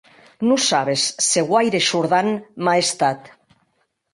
Non sabes se guaire shordant m'a estat.